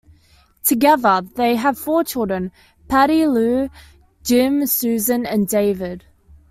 Together they had four children: Patty Lou, Jim, Susan and David.